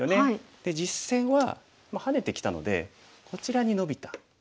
で実戦はハネてきたのでこちらにノビた。